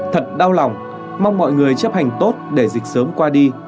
thật đau lòng mong mọi người chấp hành tốt để dịch sớm qua đi